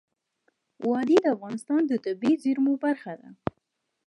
وادي د افغانستان د طبیعي زیرمو برخه ده.